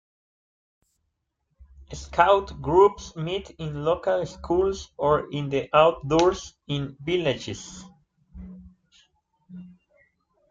Scout groups meet in local schools or in the outdoors in villages.